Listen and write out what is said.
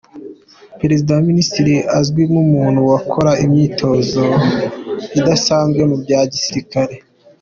Perezida wa Misiri azwi nk’umuntu wakoze imyitozo idasanzwe mu bya gisirikare.